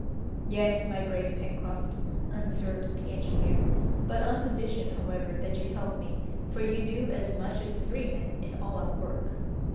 "Yes, my brave Pencroft," answered the engineer, "but on condition, however, that you help me, for you do as much as three men in all our work."